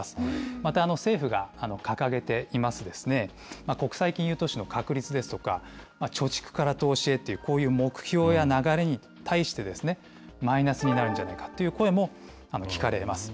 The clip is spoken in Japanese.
また政府が掲げています、国際金融都市の確立ですとか、貯蓄から投資へという、こういう目標や流れに対して、マイナスになるんじゃないかという声も聞かれます。